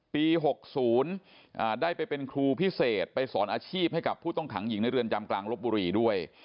ปี๖๐ได้ไปเป็นครูพิเศษไปสอนอาชีพให้กับผู้ต้องขังหญิงในเรือนจำกลางลบบุรีด้วย